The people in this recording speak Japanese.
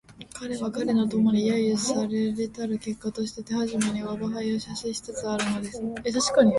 彼は彼の友に揶揄せられたる結果としてまず手初めに吾輩を写生しつつあるのである